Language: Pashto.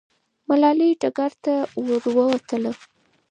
ملالۍ ډګر ته ورتله.